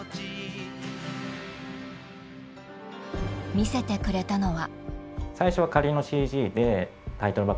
見せてくれたのは。